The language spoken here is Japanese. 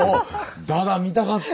ダダ見たかった。